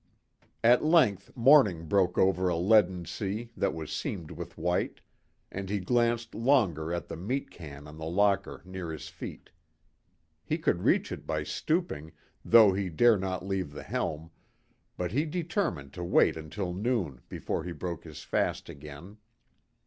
At length, morning broke over a leaden sea that was seamed with white; and he glanced longing at the meat can on the locker near his feet. He could reach it by stooping, though he dare not leave the helm, but he determined to wait until noon before he broke his fast again.